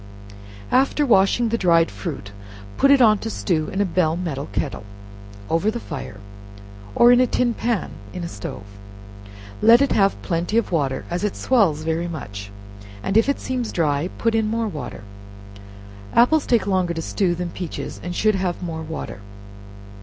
After washing the dried fruit, put it on to stew in a bell metal kettle over the fire, or in a tin pan in a stove, let it have plenty of water, as it swells very much, and if it seems dry, put in more water. Apples take longer to stew than peaches, and should have more water.